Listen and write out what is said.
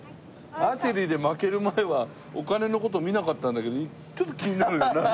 アーチェリーで負ける前はお金の事見なかったんだけどちょっと気になるよな。